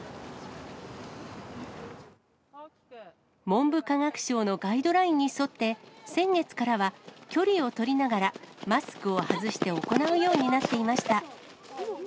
文部科学省のガイドラインに沿って、先月からは、距離を取りながら、マスクを外して行うようになっていました。